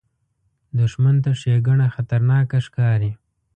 دښمن ته ښېګڼه خطرناکه ښکاري